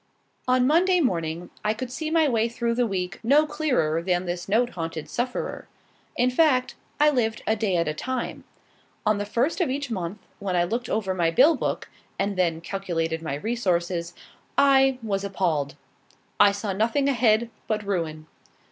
On Monday morning, I could see my way through the week no clearer than this note haunted sufferer. In fact, I lived a day at a time. On the first of each month, when I looked over my bill book, and then calculated my resources, I was appalled. I saw nothing ahead but ruin.